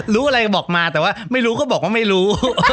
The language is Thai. รู้อะไรก็บอกมาแต่ว่าไม่รู้ก็บอกว่าไม่รู้